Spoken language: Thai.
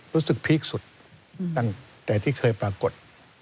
พีคสุดตั้งแต่ที่เคยปรากฏ